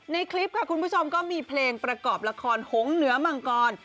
ในคลิปค่ะคุณผู้ชมก็มีเพลงประกอบละครหงเหนือมังกร